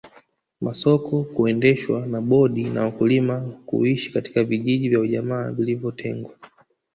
Masoko kuendeshwa na bodi na wakulima kuishi katika vijiji vya ujamaa vilivyotengwa